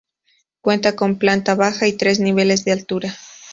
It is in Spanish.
Cuenta con planta baja y tres niveles de altura.